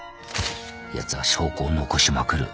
やつは証拠を残しまくる。